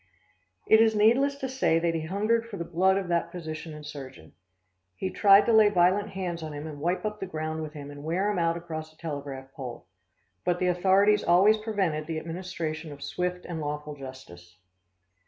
It is needless to say that he hungered for the blood of that physician and surgeon. He tried to lay violent hands on him and wipe up the ground with him and wear him out across a telegraph pole. But the authorities always prevented the administration of swift and lawful justice.